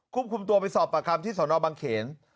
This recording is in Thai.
คุ้มคุมตัวไปสอบปากคำที่สนบังเขียน